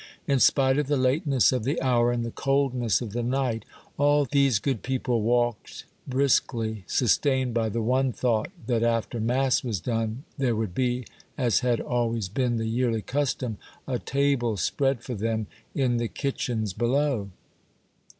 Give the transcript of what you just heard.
In spite of the lateness of the hour and the coldness of the night, all these good people walked briskly, sustained by the one thought that after mass was done there would be, as had always been the yearly custom, a table spread for them in the kitchens below.